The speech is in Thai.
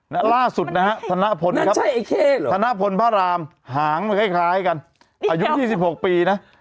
ล่าสุดนะฮะธนพลนะครับธนพลพระรามหางมันคล้ายกันอายุ๒๖ปีนะ